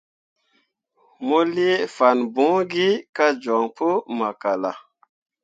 Mo lii fambõore gi kah joɲ pu makala.